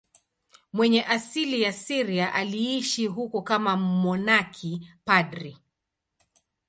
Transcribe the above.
Mwenye asili ya Syria, aliishi huko kama mmonaki padri.